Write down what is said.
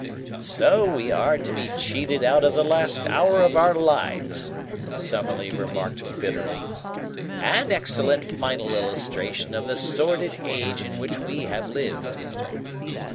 "So we are to be cheated out of the last hour of our lives," Summerlee remarked bitterly. "An excellent final illustration of the sordid age in which we have lived.